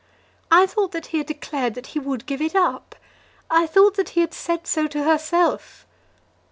I thought that he had declared that he would give it up. I thought that he had said so to herself."